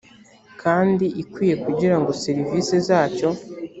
kandi ikwiye kugira ngo serivisi zacyo